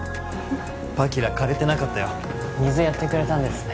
パキラ枯れてなかったよ水やってくれたんですね